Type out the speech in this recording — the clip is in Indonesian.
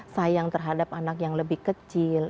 sayang terhadap anak yang lebih kecil